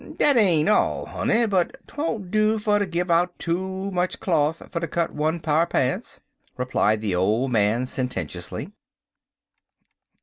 "Dat ain't all, honey, but 'twon't do fer ter give out too much cloff fer ter cut one pa'r pants," replied the old man sententiously.